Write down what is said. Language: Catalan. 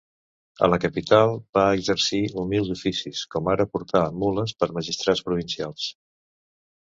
A la capital va exercir humils oficis, com ara portar mules per magistrats provincials.